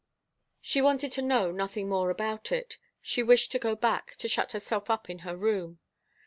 She wanted to know nothing more about it. She wished to go back, to shut herself up in her room.